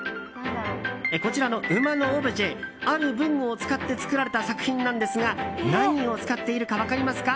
こちらの馬のオブジェある文具を使って作られた作品なんですが何を使っているか分かりますか？